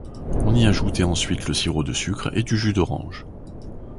On y ajoutait ensuite le sirop de sucre et du jus d'oranges.